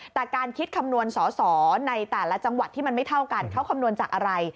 แต่การคิดคำนวณสอสอในแต่ละจังหวัดที่มันไม่เท่ากันเขาคำนวณจากอะไร